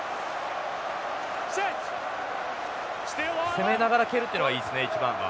攻めながら蹴るというのがいいですね一番が。